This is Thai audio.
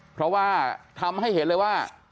เพราะว่าทำให้เห็นเลยว่า